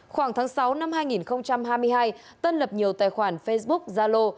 khoảng tháng sáu năm hai nghìn hai mươi hai tân lập nhiều tài khoản facebook zalo